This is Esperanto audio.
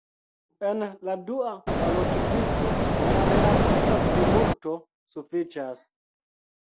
En la dua balotvico, la relativa plimulto sufiĉas.